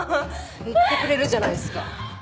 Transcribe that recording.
言ってくれるじゃないすか。